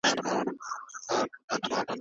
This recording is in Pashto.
ملنګه ! دا ګټان زلفې، درانۀ باڼۀ اؤ ډک زړۀ؟